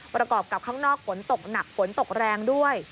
ประกอบกับข้างนอกฝนตกหนักฝนตกแรงด้วย